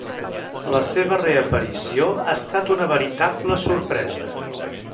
La seva reaparició ha estat una veritable sorpresa.